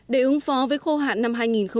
để ứng phó với khô hạn năm hai nghìn một mươi chín